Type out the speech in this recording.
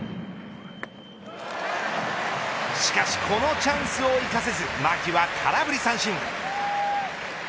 しかし、このチャンスを生かせず牧は空振り三振。